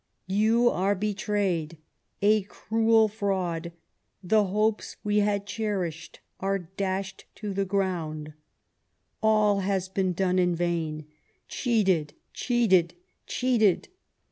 "You are betrayed a cruel fraud the hopes we had cherished are dashed to the ground all has been done in vain Cheated! cheated! cheated!"